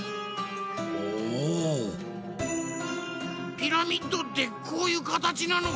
ピラミッドってこういうかたちなのか。